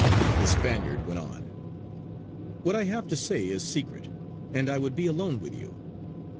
The Spaniard went on: "What I have to say is secret, and I would be alone with you.